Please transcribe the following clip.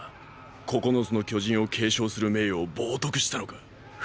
「九つの巨人」を継承する名誉を冒とくしたのか？！